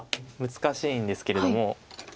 難しいんですけれども。